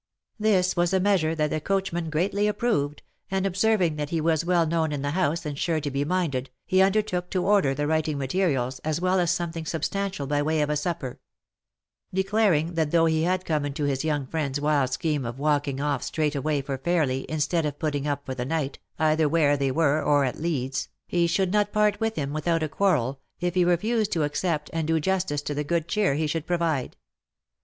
This was a measure that the coachman greatly approved, and ob serving that he was well known in the house, and sure to be minded, he undertook to order the writing materials, as well as something sub stantial by way of a supper ; declaring that though he had come into his young friends wild scheme of walking off straight away for Fairly, instead of putting upTor the night, either where they were, or at Leeds, he should not part with him without a quarrel, if he refused to ac cept, and do justice to the good cheer he should provide.